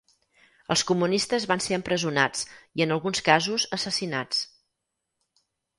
Els comunistes van ser empresonats i en alguns casos assassinats.